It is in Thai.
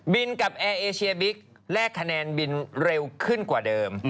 กับแอร์เอเชียบิ๊กแลกคะแนนบินเร็วขึ้นกว่าเดิม